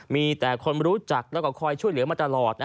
มีแต่คนรู้จักแล้วก็คอยช่วยเหลือมาตลอด